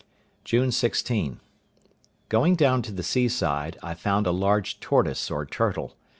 June 16.—Going down to the seaside, I found a large tortoise or turtle.